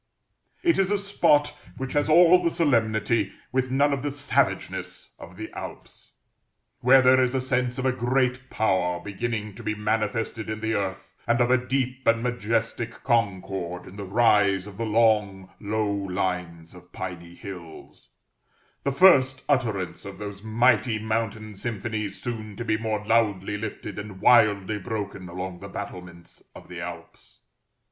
It is a spot which has all the solemnity, with none of the savageness, of the Alps; where there is a sense of a great power beginning to be manifested in the earth, and of a deep and majestic concord in the rise of the long low lines of piny hills; the first utterance of those mighty mountain symphonies, soon to be more loudly lifted and wildly broken along the battlements of the Alps.